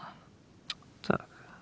ったく。